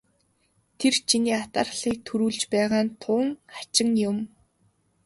Тэр чиний атаархлыг төрүүлж байгаа нь тун хачин юм.